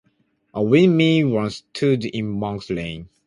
A windmill once stood in Monks Lane.